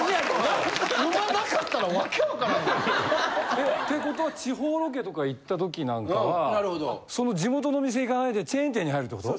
えってことは地方ロケとか行った時なんかはその地元の店行かないでチェーン店に入るってこと？